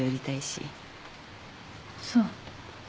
そう。